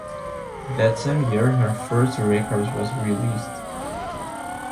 That same year her first record was released.